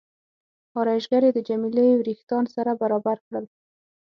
ارایشګرې د جميله وریښتان سره برابر کړل.